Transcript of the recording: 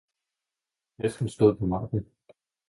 Hesten stod på marken.